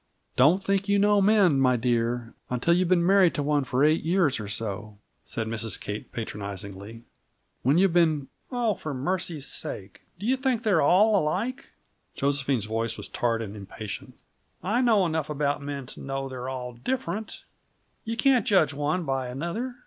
"Don't think you know men, my dear, until you've been married to one for eight years or so," said Mrs. Kate patronizingly. "When you've been " "Oh, for mercy's sake, do you think they're all alike?" Josephine's voice was tart and impatient. "I know enough about men to know they're all different. You can't judge one by another.